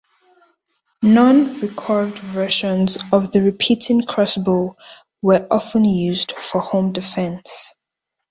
Non-recurved versions of the repeating crossbow were often used for home defense.